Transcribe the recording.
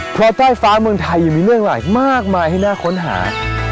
เพราะฟอกฟ้าเมืองไทยยังมีเรื่องหลายมากมายให้น่าค้นหา